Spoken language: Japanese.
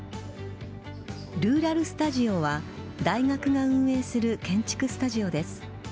ルーラル・スタジオは大学が運営する建築スタジオです。